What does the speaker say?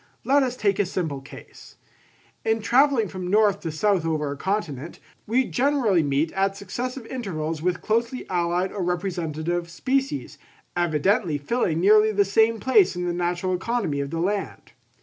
Let us take a simple case: in travelling from north to south over a continent, we generally meet at successive intervals with closely allied or representative species, evidently filling nearly the same place in the natural economy of the land.